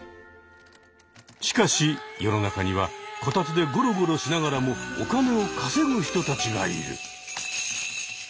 しかし世の中にはこたつでゴロゴロしながらもお金を稼ぐ人たちがいる。